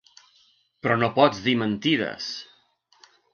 Però no pots dir mentides.